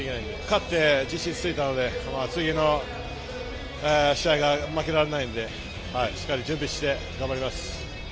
勝って自信ついたので、次の試合が負けられないんで、しっかり準備して頑張ります。